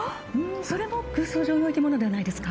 それも空想上の生き物ではないですか？